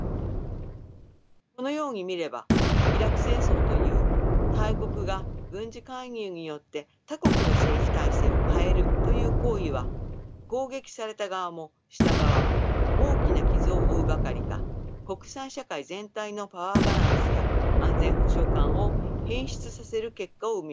このように見ればイラク戦争という大国が軍事介入によって他国の政治体制を変えるという行為は攻撃された側もした側も大きな傷を負うばかりか国際社会全体のパワーバランスや安全保障観を変質させる結果を生みました。